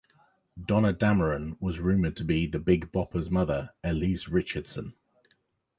Donna Dameron was rumoured to be The Big Bopper's mother, Elsie Richardson.